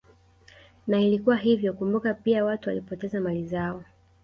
Na ilikuwa hivyo kumbuka pia watu walipoteza mali zao